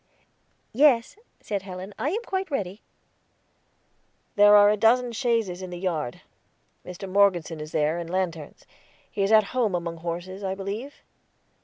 "Yes," said Helen, "I am quite ready." "There are a dozen chaises in the yard; Mr. Morgeson is there, and lanterns. He is at home among horses, I believe."